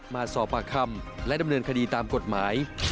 มาสอบปากคำและดำเนินคดีตามกฎหมาย